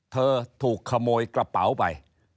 เธอถูกขโมยกระเป๋าไป